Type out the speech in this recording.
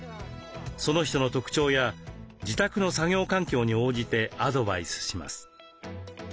その人の特徴や自宅の作業環境に応じてアドバイスします。